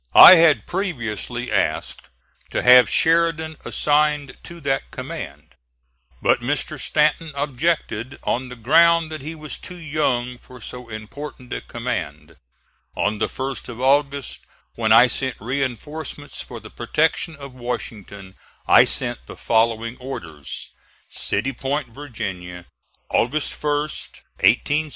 I had previously asked to have Sheridan assigned to that command, but Mr. Stanton objected, on the ground that he was too young for so important a command. On the 1st of August when I sent reinforcements for the protection of Washington, I sent the following orders: CITY POINT, VA., August 1, 1864, 11.